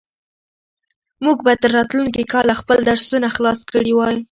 موږ به تر راتلونکي کاله خپل درسونه خلاص کړي وي.